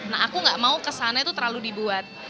nah aku gak mau kesana itu terlalu dibuat